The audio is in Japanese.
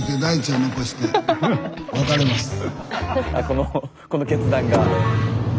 このこの決断が。